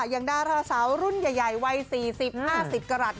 อย่างดาราสาวรุ่นใหญ่วัย๔๐๕๐กรัฐ